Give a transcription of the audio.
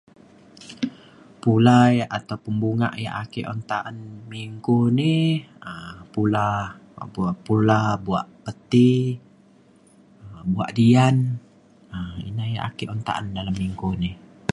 pula ataupun bungak yak ake un ta’an minggu ni um pula pu- pula buak peti um buak dian um ina yak ake un ta’an dalem minggu ni